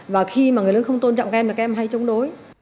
và khi mà người lớn không tôn trọng em là các em hay chống đối